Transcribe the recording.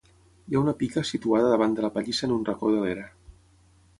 Hi ha una pica situada davant de la pallissa en un racó de l'era.